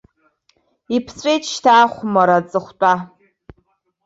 Иԥҵәеит шьҭа ахәмарра аҵыхәтәа!